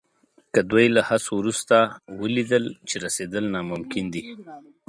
که دوی له هڅو وروسته ولیدل چې رسېدل ناممکن دي.